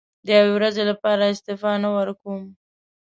د یوې ورځې لپاره استعفا نه ورکووم.